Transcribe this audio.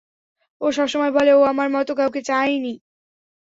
ও সবসময় বলে, ও আমার মতো কাউকে চায়ই না।